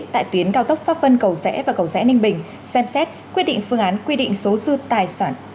tại tuyến cao tốc pháp vân cầu rẽ và cầu rẽ ninh bình xem xét quyết định phương án quy định số dư tài sản